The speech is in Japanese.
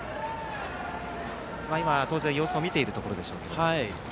今は、様子を見ているところでしょうか。